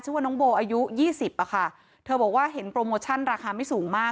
ชื่อว่าน้องโบอายุ๒๐ค่ะเธอบอกว่าเห็นโปรโมชั่นราคาไม่สูงมาก